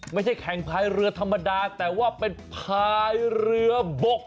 ไม่ใช่แข่งพายเรือธรรมดาแต่ว่าเป็นพายเรือบก